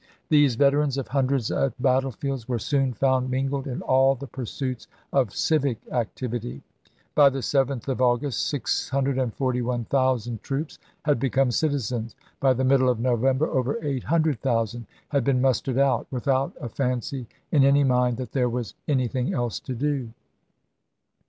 These veterans of hundreds of bat tlefields were soon found mingled in all the pursuits of civic activity. By the 7th of August 641,000 troops had become citizens; by the middle of November over 800,000 had been mustered out — without a fancy in any mind that there was any thing else to do.